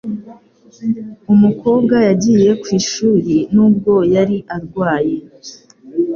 Umukobwa yagiye ku ishuri nubwo yari arwaye.